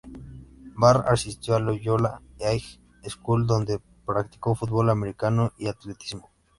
Barr asistió a Loyola High School, donde practicó fútbol americano y atletismo.